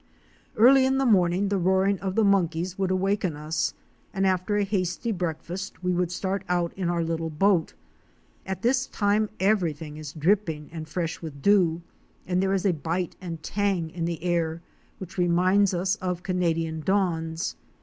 Early in the morning the roaring of the monkeys would awaken us, and after a hasty breakfast we would start out in our little boat. At this time everything is dripping and fresh with dew, and there is a bite and tang in the air which reminds us of Canadian dawns.